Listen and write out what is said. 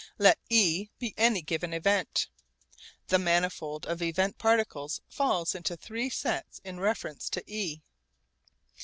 Let e be any given event. The manifold of event particles falls into three sets in reference to e.